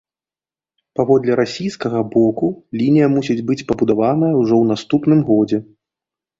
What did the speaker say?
Паводле расійскага боку, лінія мусіць быць пабудаваная ўжо ў наступным годзе.